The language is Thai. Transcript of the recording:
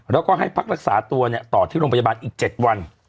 แล้วก็ให้พักรักษาตัวต่อที่โรงพยาบาลอีก๗วัน